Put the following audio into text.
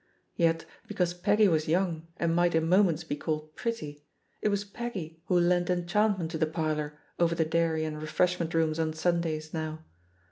Yet, because Peggy was young, and might in moments be called pretty, it was Peggy who, lent enchantment to the parlour over the dairy and refreshment rooms on Sundays now.